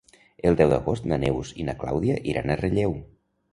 El deu d'agost na Neus i na Clàudia iran a Relleu.